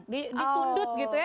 di sundut gitu ya